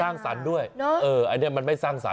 สร้างสรรค์ด้วยไอเดียมันไม่สร้างสรรค์นะ